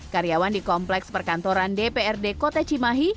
karyawan di kompleks perkantoran dprd kota cimahi